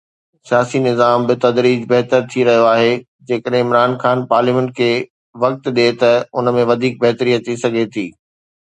سياسي نظام بتدريج بهتر ٿي رهيو آهي جيڪڏهن عمران خان پارليامينٽ کي وقت ڏئي ته ان ۾ وڌيڪ بهتري اچي سگهي ٿي.